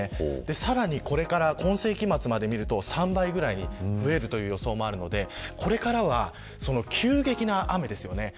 さらに、これから今世紀末まで見ると、３倍ぐらいに増えるという予想もあるのでこれからは急激な雨です。